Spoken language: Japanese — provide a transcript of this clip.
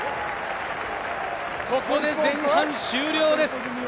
ここで前半終了です。